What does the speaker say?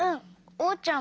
おうちゃん